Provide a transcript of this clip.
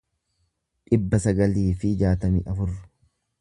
dhibba sagalii fi jaatamii afur